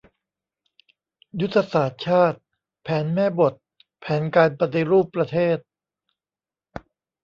ยุทธศาสตร์ชาติ แผนแม่บท แผนการปฏิรูปประเทศ